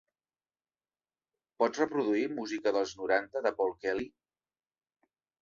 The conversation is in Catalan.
Pots reproduir música dels noranta de Paul Kelly?